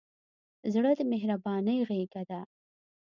زړه د مهربانۍ غېږه ده.